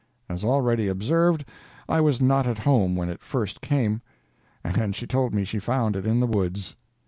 As already observed, I was not at home when it first came, and she told me she found it in the woods.